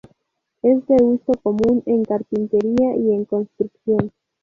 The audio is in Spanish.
Es de uso común en carpintería y en construcción.